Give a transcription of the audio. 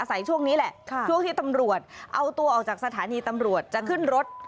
ช่วงนี้แหละช่วงที่ตำรวจเอาตัวออกจากสถานีตำรวจจะขึ้นรถ